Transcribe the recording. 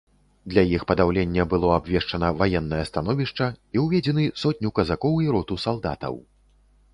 Для іх падаўлення было абвешчана ваеннае становішча і ўведзены сотню казакоў і роту салдатаў.